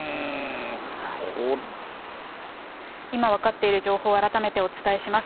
今分かっている情報を改めてお伝えします。